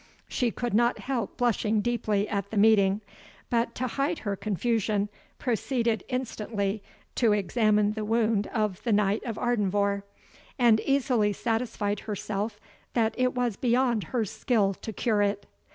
She could not help blushing deeply at the meeting, but, to hide her confusion, proceeded instantly to examine the wound of the Knight of Ardenvohr, and easily satisfied herself that it was beyond her skill to cure it.